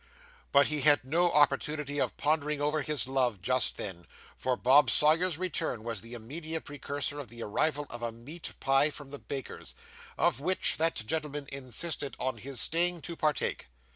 But he had no opportunity of pondering over his love just then, for Bob Sawyer's return was the immediate precursor of the arrival of a meat pie from the baker's, of which that gentleman insisted on his staying to partake.